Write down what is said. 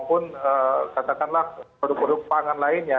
ataupun katakanlah produk produk pangan lainnya